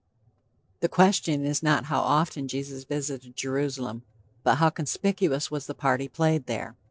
The question is not how often Jesus visited Jerusalem, but how conspicuous was the part he played there.